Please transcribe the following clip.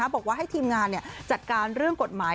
บอกว่าให้ทีมงานจัดการเรื่องกฎหมาย